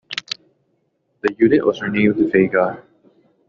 The unit was renamed Vega.